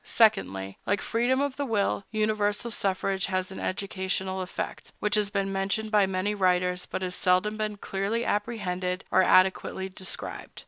Secondly, like freedom of the will, universal suffrage has an educational effect, which has been mentioned by many writers, but has seldom been clearly apprehended or adequately described.